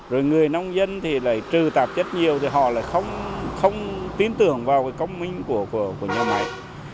rồi người nông dân thì lại trừ tạp chất nhiều thì họ lại không tin tưởng vào cái công minh của nhà máy